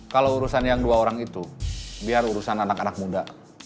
kalau urusan yang dua orang itu biar urusan anak anak muda